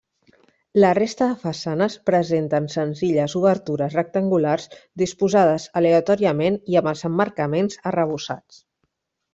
La resta de façanes presenten senzilles obertures rectangulars disposades aleatòriament i amb els emmarcaments arrebossats.